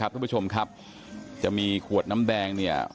ทุกผู้ชมครับจะมีขวดน้ำแดงเนี่ย